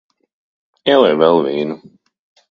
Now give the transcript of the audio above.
Ielej vēl vīnu.